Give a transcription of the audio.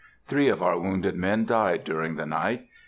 _—Three of our wounded men died during the night.